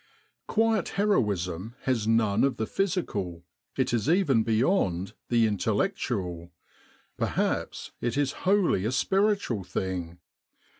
' 'Quiet" heroism has none of the physical, it is even beyond the intellectual, perhaps it is wholly a spiritual thing.